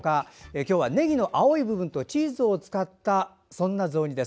今日はねぎの青い部分とチーズを使ったそんな雑煮です。